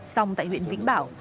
xong tại huyện vĩnh bảo